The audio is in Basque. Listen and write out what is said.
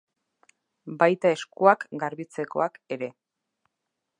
Baita eskuak garbitzekoak ere.